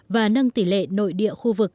và nâng tỷ lệ nội địa khu vực